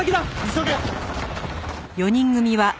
急げ！